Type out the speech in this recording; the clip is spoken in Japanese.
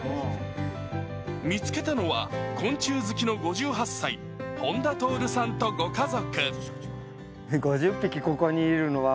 見つけたのは昆虫好きの５８歳、本田徹さんと、ご家族。